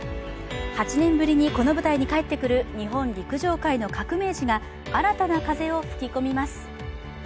８年ぶりに、この舞台に帰ってくる日本陸上界の革命児が新たな風を吹き込みます。